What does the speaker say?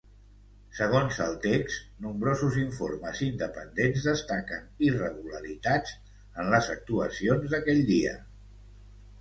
Segons el text, nombrosos informes independents destaquen irregularitats en les actuacions d’aquell dia.